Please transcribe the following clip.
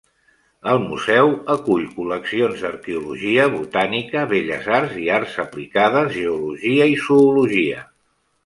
El museu acull col·leccions d'arqueologia, botànica, belles arts i arts aplicades, geologia i zoologia.